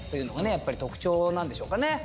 やっぱり特徴なんでしょうかね。